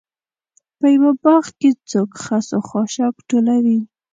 په یوه باغ کې څوک خس و خاشاک ټولوي.